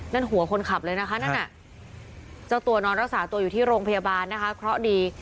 นั่นหัวคนขับเลยนะคะนั่นน่ะเจ้าตัวนอนรักษาตัวอยู่ที่โรงพยาบาลนะคะเคราะห์ดี